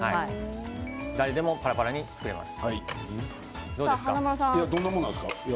誰でもパラパラに作れます。